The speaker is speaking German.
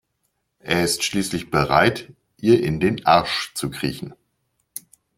Er ist schließlich bereit ihr in den Arsch zu kriechen.